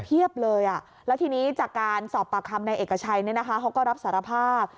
เลยแล้วทีนี้จากการสอบปากคำในเอกชัยเขาก็รับสารภาพ